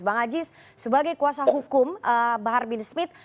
bang aziz sebagai kuasa hukum bahar bin smith